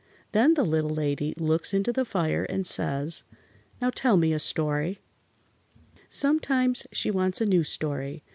Then the Little Lady looks into the fire and says: "Now, tell me a story." Sometimes she wants a new story.